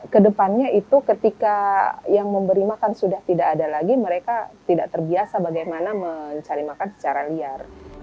kedepannya itu ketika yang memberi makan sudah tidak ada lagi mereka tidak terbiasa bagaimana mencari makan secara liar